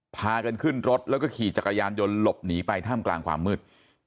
พากันขึ้นรถแล้วก็ขี่จักรยานยนต์หลบหนีไปท่ามกลางความมืด